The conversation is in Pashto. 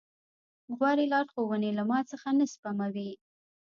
غورې لارښوونې له ما څخه نه سپموي.